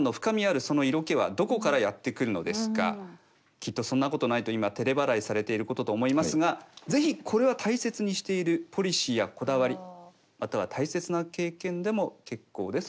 「きっとそんなことないと今てれ笑いされていることと思いますが是非これは大切にしているポリシーやこだわりまたは大切な経験でも結構です。